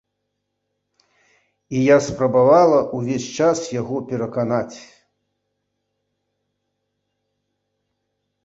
І я спрабавала ўвесь час яго пераканаць.